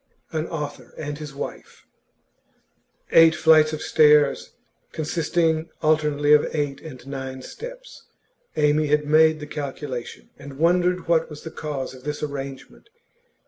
AN AUTHOR AND HIS WIFE Eight flights of stairs, consisting alternately of eight and nine steps. Amy had made the calculation, and wondered what was the cause of this arrangement.